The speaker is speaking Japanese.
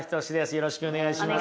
よろしくお願いします。